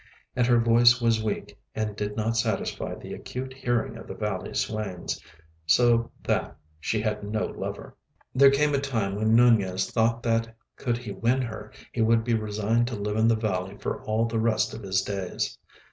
And her voice was weak and did not satisfy the acute hearing of the valley swains. So that she had no lover. There came a time when Nunez thought that, could he win her, he would be resigned to live in the valley for all the rest of his days.